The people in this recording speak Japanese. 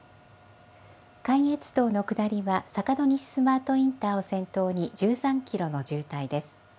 関越道の下りは坂戸西スマートインターを先頭に１３キロの渋滞です。